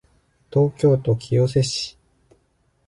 東京都清瀬市